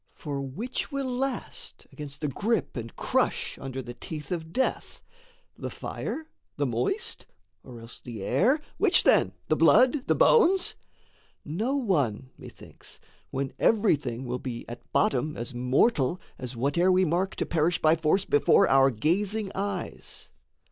For which will last against the grip and crush Under the teeth of death? the fire? the moist? Or else the air? which then? the blood? the bones? No one, methinks, when every thing will be At bottom as mortal as whate'er we mark To perish by force before our gazing eyes.